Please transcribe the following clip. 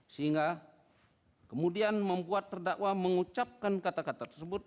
sehingga kemudian membuat terdakwa mengucapkan kata kata tersebut